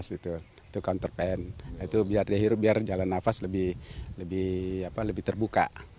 itu counterpan itu biar dia hiru biar jalan nafas lebih terbuka